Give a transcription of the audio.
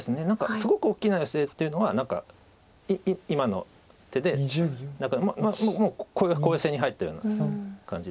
すごく大きなヨセっていうのは何か今の手でもう小ヨセに入ったような感じです。